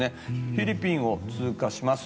フィリピンを通過します。